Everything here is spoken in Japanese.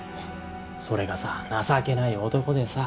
それがさ情けない男でさ